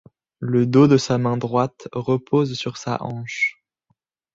Le dos de sa main droite repose sur sa hanche.